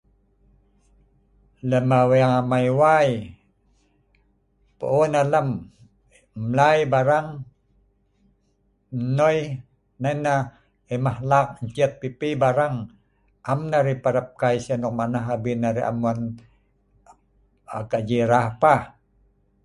Lem aweng amai pu'un alem mlei pi barang nnoi nai nah emah lak ncet pi barang am nah arai parab kai si anok mah nah abin arai am wan gaji nok rah.